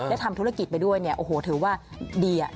ได้ทำธุรกิจไปด้วยเนี่ยโอ้โหเถอะว่าดีอะ